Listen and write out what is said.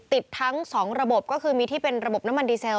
ติดทั้ง๒ระบบก็คือมีที่เป็นระบบน้ำมันดีเซล